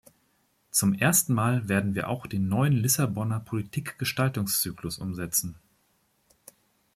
Zum ersten Mal werden wir auch den neuen Lissabonner Politikgestaltungszyklus umsetzen.